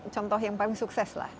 contoh yang paling sukses lah